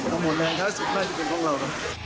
เราหมดแรงท้าสุดไม่ได้เป็นของเรา